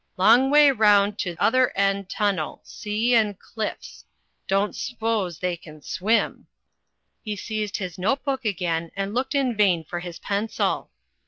Long way roimd to other end tunnel; sea and cliffs. Don' sphose they can swim." He seized his note book again and looked in vain for his pencil.